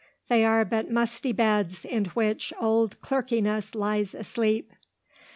They are but musty beds in which old clerkliness lies asleep!"